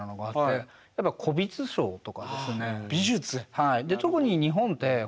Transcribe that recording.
はい。